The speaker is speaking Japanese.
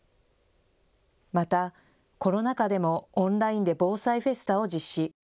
また、コロナ禍でもオンラインで防災フェスタを実施。